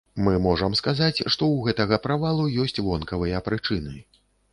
Мы можам сказаць, што ў гэтага правалу ёсць вонкавыя прычыны.